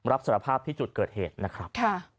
รับสารภาพที่จุดเกิดเหตุนะครับ